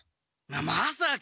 まさか！